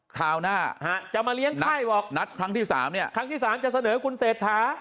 คราวหน้าจะมาเลี้ยงไข้นัดครั้งที่สามจะเสนอคุณเศษฐา